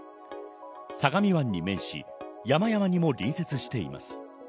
相模湾に面し、山々にも隣接しています。